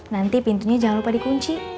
nanti pintunya jangan lupa dikunci